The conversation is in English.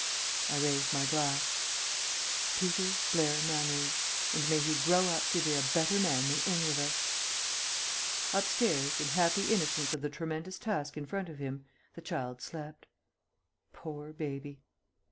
I raised my glass. "Peter Blair Mannering, and may he grow up to be a better man than any of us!" Upstairs, in happy innocence of the tremendous task in front of him, the child slept. Poor baby!